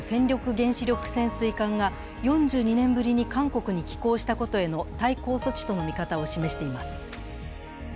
原子力潜水艦が４２年ぶりに韓国に寄港したことへの対抗措置との見方を示しています。